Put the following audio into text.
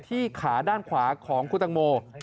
ขาด้านขวาของคุณตังโม